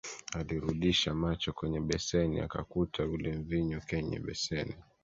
Alirudisha macho kwenye beseni akakuta ule mvinyo kenye beseni